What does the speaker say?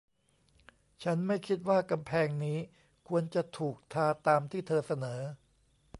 ฉันไม่คิดว่ากำแพงนี้ควรจะถูกทาตามที่เธอเสนอ